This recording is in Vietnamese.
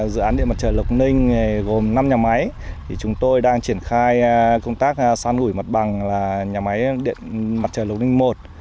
dự án điện mặt trời lộc ninh gồm năm nhà máy chúng tôi đang triển khai công tác san ủi mặt bằng nhà máy mặt trời lộc ninh một